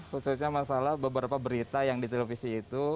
khususnya masalah beberapa berita yang di televisi itu